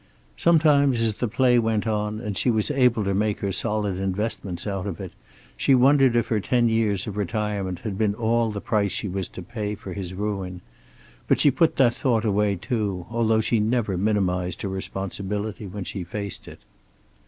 Sometimes, as the play went on, and she was able to make her solid investments out of it, she wondered if her ten years of retirement had been all the price she was to pay for his ruin; but she put that thought away too, although she never minimized her responsibility when she faced it.